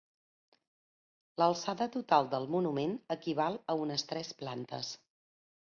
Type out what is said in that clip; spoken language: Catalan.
L'alçada total del monument equival a unes tres plantes.